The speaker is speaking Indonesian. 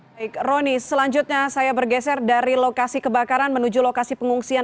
baik roni selanjutnya saya bergeser dari lokasi kebakaran menuju lokasi pengungsian